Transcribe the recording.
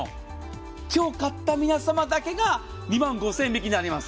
今日買った皆様だけが２万５０００円引きになります。